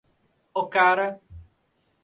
Ocara